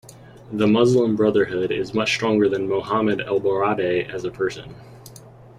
The Muslim Brotherhood is much stronger than Mohamed ElBaradei as a person.